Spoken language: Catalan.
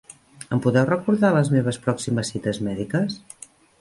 Em podeu recordar les meves pròximes cites mèdiques?